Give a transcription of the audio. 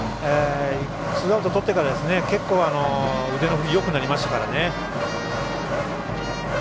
ツーアウトとってから結構、腕の振りがよくなりましたからね。